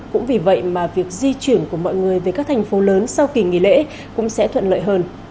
cũng vì vậy mà việc di chuyển của mọi người về các thành phố lớn sau kỳ nghỉ lễ cũng sẽ thuận lợi hơn